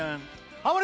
ハモリ